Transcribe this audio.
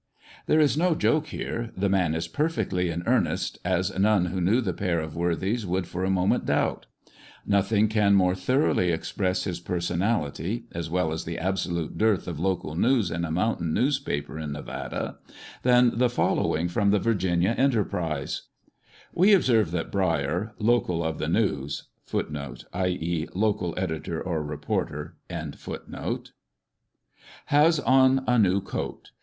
There is no joke here ; the man is perfectly in earnest, as none who knew the pair of worthies would for a moment doubt. Nothing can more thoroughly express this personality, as well as the absolute dearth of local news in a mountain newspaper in Nevada, than the following from the Virginia Enterprize :" We observe that Brier, localf of the News, has on a new coat.